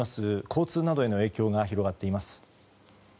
交通などへの影響が広がっています。